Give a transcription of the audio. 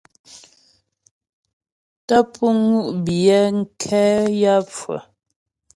Tə́ pú ŋú' biyɛ nkɛ yaə́pfʉə́'ə.